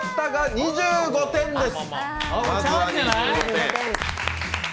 ２５点です！